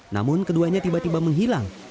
namun keduanya tiba tiba menghilang